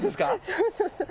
そうそうそう。